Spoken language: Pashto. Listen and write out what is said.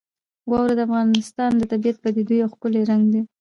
واوره د افغانستان د طبیعي پدیدو یو ښکلی رنګ دی.